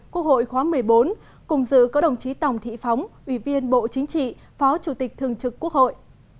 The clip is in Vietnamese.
quốc hội khóa một mươi bốn cùng dự có đồng chí tòng thị phóng ủy viên bộ chính trị phó chủ tịch thường trực quốc hội